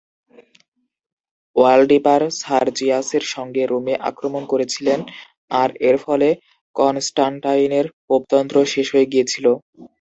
ওয়ালডিপার সারজিয়াসের সঙ্গে রোমে আক্রমণ করেছিলেন আর এর ফলে কনস্টানটাইনের পোপতন্ত্র শেষ হয়ে গিয়েছিল।